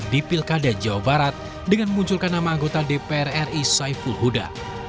di pilkada jawa barat dengan memunculkan nama anggota dpr ri saiful huda